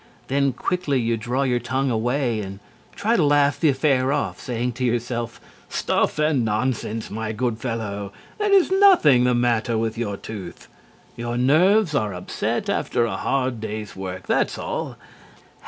Then quickly you draw your tongue away, and try to laugh the affair off, saying to yourself: "Stuff and nonsense, my good fellow! There is nothing the matter with your tooth. Your nerves are upset after a hard day's work, that's all."